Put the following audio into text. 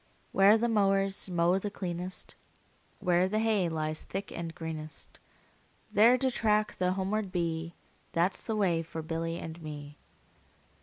Where the mowers mow the cleanest, Where the hay lies thick and greenest, 10 There to track the homeward bee, That 's the way for Billy and me.